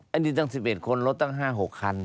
อันนี้ตั้ง๑๑คนรถตั้ง๕๖คัน